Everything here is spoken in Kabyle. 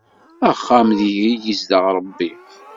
Axxam deg i yezdeɣ Ṛebbi.